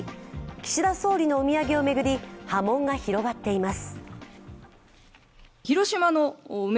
岸田総理のお土産を巡り波紋が広がっています。